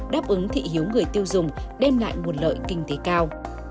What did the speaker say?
đáp ứng thị hiếu người tiêu dùng đem lại nguồn lợi kinh tế cao